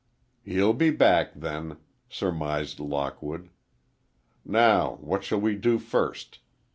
"He'll be back, then," surmised Lockwood. "Now, what shall we do first?